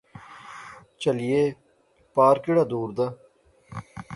چہلیے، پار کیہڑا دور دا